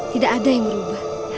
tidak ada yang berubah